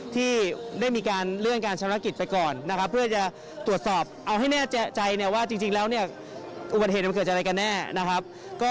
ที่ออกมาสู้เพื่อนน้องตอนนี้เราเข้าใจกันแล้วนะครับ